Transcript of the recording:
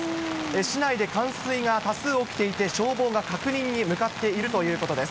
市内で冠水が多数起きていて、消防が確認に向かっているということです。